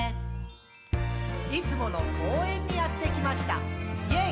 「いつもの公園にやってきました！イェイ！」